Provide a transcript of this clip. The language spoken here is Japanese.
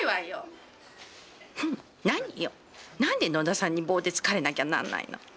何で野田さんに棒でつかれなきゃなんないの！